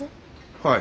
はい。